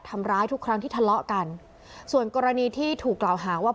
ทำร้ายทุกครั้งที่ทะเลาะกันส่วนกรณีที่ถูกกล่าวหาว่า